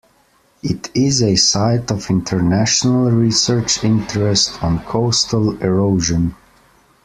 It is a site of international research interest on coastal erosion.